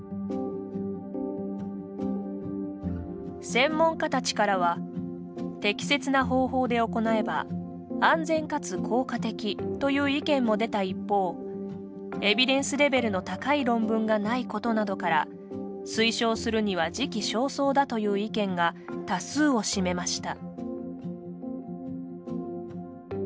専門家たちからは適切な方法で行えば安全かつ効果的という意見も出た一方エビデンスレベルの高い論文がないことなどから推奨するには時期尚早だという意見が多数を占めました。